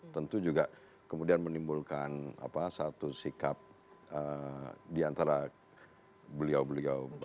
tentu juga kemudian menimbulkan satu sikap diantara beliau beliau